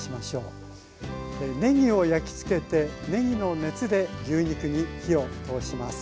ねぎを焼きつけてねぎの熱で牛肉に火を通します。